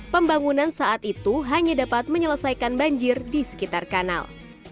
pembangunan saat itu hanya dapat menyelesaikan banjir di sekitar kanal